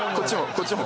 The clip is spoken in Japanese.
こっちも？